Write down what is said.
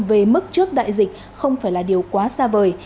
về mức trước đại dịch không phải là điều quá xa vời